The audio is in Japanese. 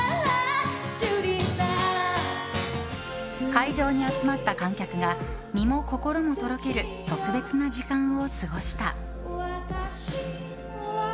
会場に集まった観客が身も心もとろける特別な時間を過ごした。